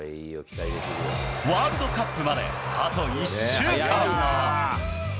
ワールドカップまであと１週間。